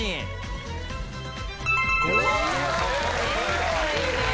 正解です。